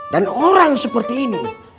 dan orang seperti ini